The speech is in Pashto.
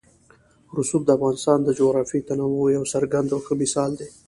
رسوب د افغانستان د جغرافیوي تنوع یو څرګند او ښه مثال دی.